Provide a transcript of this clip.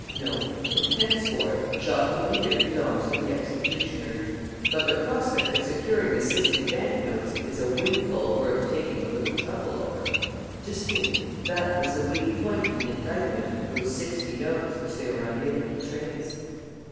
No. From henceforth Jacques Aubrieux belongs to the executioner. But the prospect of securing the sixty bank notes is a windfall worth taking a little trouble over. Just think: that was the weak point in the indictment, those sixty notes which they were unable to trace."